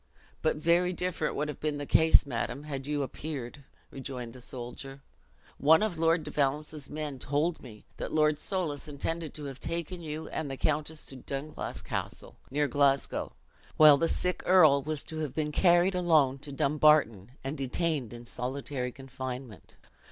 "But very different would have been the case, madam, had you appeared," rejoined the soldier. "One of Lord de Valence's men told me, that Lord Soulis intended to have taken you and the countess to Dunglass Castle, near Glasgow, while the sick earl was to have been carried alone to Dumbarton, and detained in solitary confinement.